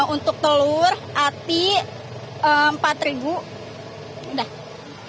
untuk telur ati rp empat udah